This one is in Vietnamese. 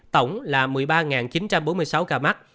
tổng là một mươi ba chín trăm bốn mươi sáu ca mắc